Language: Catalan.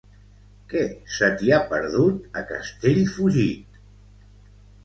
Què se t'hi ha perdut, a Castellfugit?